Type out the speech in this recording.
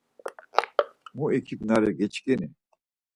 Mu ikipnari giçkini?